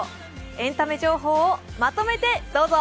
エンタメ情報をまとめてどうぞ。